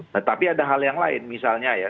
tetapi ada hal yang lain misalnya ya